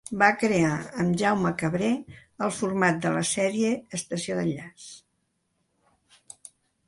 Va crear, amb Jaume Cabré, el format de la sèrie Estació d'enllaç.